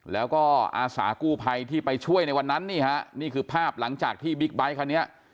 แล้วก็อาสากู้ภัยที่ไปช่วยในวันนั้นนี่ฮะนี่คือภาพหลังจากที่บิ๊กไบท์คันนี้